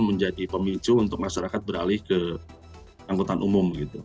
menjadi pemicu untuk masyarakat beralih ke anggota umum gitu